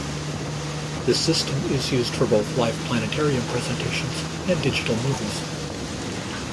This system is used for both live planetarium presentations and digital movies.